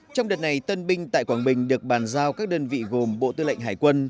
trong đợt này tân binh tại quảng bình được bàn giao các đơn vị gồm bộ tư lệnh hải quân